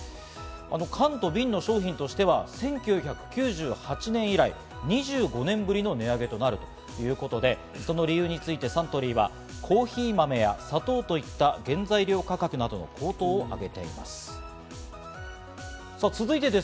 缶と瓶の商品としては１９９８年以来、２５年ぶりの値上げとなるということで、その理由についてサントリーはコーヒー豆や砂糖といった原材料価格などの高騰を挙げています。